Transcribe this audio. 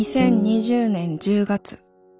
２０２０年１０月。